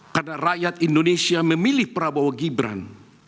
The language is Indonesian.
karena rakyat indonesia memilih prabowo gibran